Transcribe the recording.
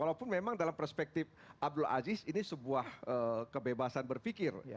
walaupun memang dalam perspektif abdul aziz ini sebuah kebebasan berpikir